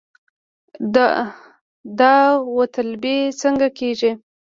داوطلبي څنګه کیږي؟